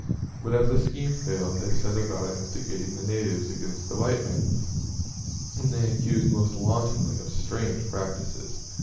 But as this scheme failed, they set about instigating the natives against the white men, whom they accused most wantonly of strange practices.